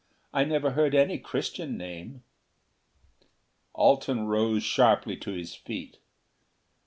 I never heard any Christian name." Alten rose sharply to his feet.